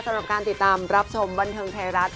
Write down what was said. สำหรับการติดตามรับชมบันเทิงไทยรัฐ